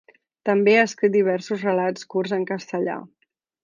També ha escrit diversos relats curts en castellà.